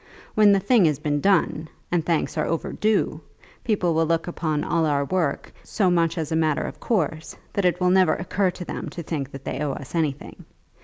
"When the thing has been done, and thanks are our due, people will look upon all our work so much as a matter of course that it will never occur to them to think that they owe us anything.